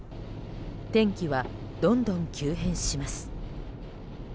天気はどんどん急変します。